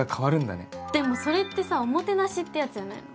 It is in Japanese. でもそれってさ「おもてなし」ってやつじゃないの？